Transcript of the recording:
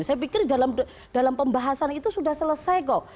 saya pikir dalam pembahasan itu sudah selesai kok